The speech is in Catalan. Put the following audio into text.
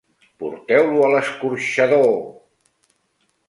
Porteu-lo a l'escorxador!